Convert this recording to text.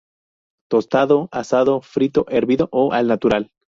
Tostado, asado, frito, hervido o al natural.